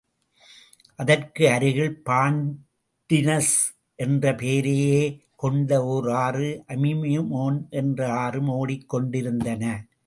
அதற்கு அருகில் பான்டினஸ் என்ற பெயரையே கொண்ட ஓர் ஆறு அமிமோன் என்ற ஆறும் ஓடிக்கொண்டிருந்தன.